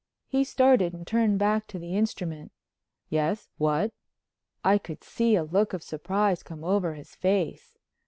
He started and turned back to the instrument. "Yes. What?" I could see a look of surprise come over his face.